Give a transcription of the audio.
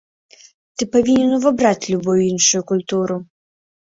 Ты павінен увабраць любую іншую культуру.